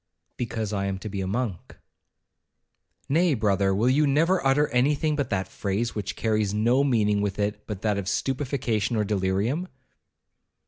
'Because I am to be a monk.' 'Nay, brother, will you never utter any thing but that phrase, which carries no meaning with it but that of stupefaction or delirium?'